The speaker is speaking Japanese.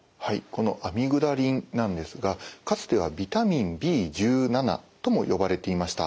このアミグダリンなんですがかつてはビタミンＢ１７とも呼ばれていました。